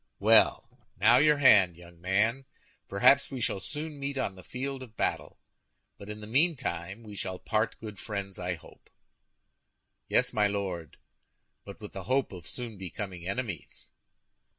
"Well, now, your hand, young man. Perhaps we shall soon meet on the field of battle; but in the meantime we shall part good friends, I hope." "Yes, my Lord; but with the hope of soon becoming enemies."